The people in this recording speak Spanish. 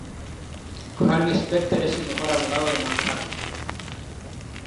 Harvey Specter es el mejor abogado de Manhattan.